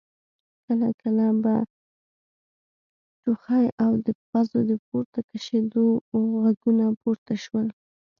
کله کله به ټوخی او د پزو د پورته کشېدو غږونه پورته شول.